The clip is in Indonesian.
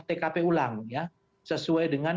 tkp ulang sesuai dengan